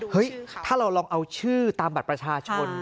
ถ้าเราลองเอาชื่อตามบัตรประชาชน